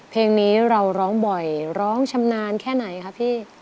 เพลงนี้เราร้องบ่อยร้องชำนาญแค่ไหนคะพี่